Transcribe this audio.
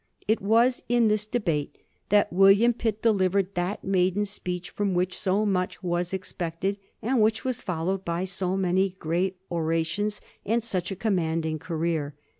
It was in this debate that William Pitt deliv ered that maiden speech from which so much was ex pected, and which was followed by so many great ora tions and such a commanding career.